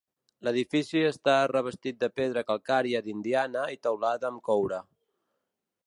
L'edifici està revestit de pedra calcària d'Indiana i teulada amb coure.